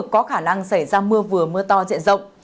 có khả năng xảy ra mưa vừa mưa to diện rộng